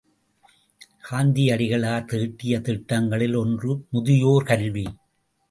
காந்தியடிகளார் தீட்டிய திட்டங்களில் ஒன்று முதியோர் கல்வி.